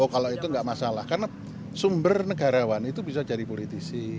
kalau itu enggak masalah karena sumber negarawan itu bisa jadi politisi